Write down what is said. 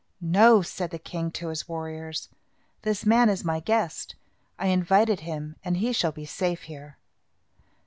"No!" said the king to his warriors. "This man is my guest. I invited him and he shall be safe here."